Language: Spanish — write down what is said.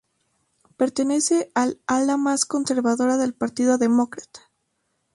Pertenece al ala más conservadora del Partido Demócrata.